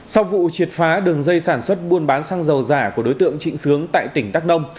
sau vụ triệt phá đường dây sản xuất buôn bán xăng dầu giả của đối tượng trịnh sướng tại tỉnh đắk nông